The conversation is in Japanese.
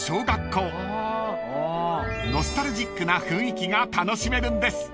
［ノスタルジックな雰囲気が楽しめるんです］